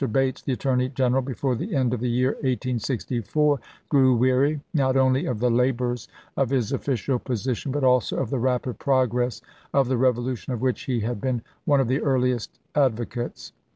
Bates, the Attorney General, before the end of the year 1864 grew weary, not only of the labors of his official position, but also of the rapid progress of the revolution of which he had been one of the earliest advocates.